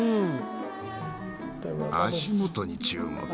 足元に注目。